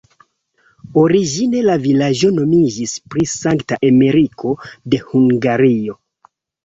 Origine la vilaĝo nomiĝis pri Sankta Emeriko de Hungario.